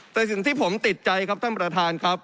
แต่สิ่งที่ผมติดใจครับท่านประธานครับ